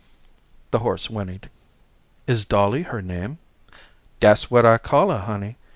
The horse whinnied. "Is Dolly her name?" "Dat's what I calls her, honey.